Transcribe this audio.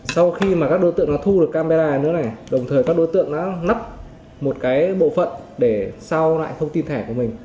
sau khi các đối tượng đã thu được camera này nữa này đồng thời các đối tượng đã lắp một bộ phận để sao lại thông tin thẻ của mình